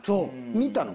見たの？